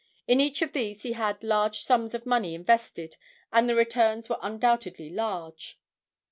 In each of these he had large sums of money invested and the returns were undoubtedly large.